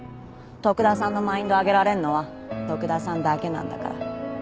徳田さんのマインド上げられるのは徳田さんだけなんだから。